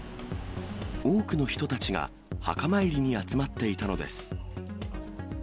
多くの人たちが、墓参りに集まっていたのです。